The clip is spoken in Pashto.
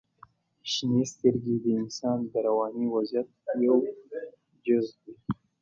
• شنې سترګې د انسان د رواني وضعیت یو جز دی.